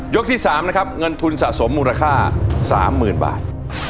ที่๓นะครับเงินทุนสะสมมูลค่า๓๐๐๐บาท